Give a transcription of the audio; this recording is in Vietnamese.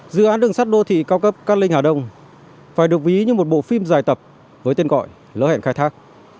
dự án đường sắt đô thị cao cấp cát linh hà đông phải được ví như một bộ phim dài tập với tên gọi lỡ hẹn khai thác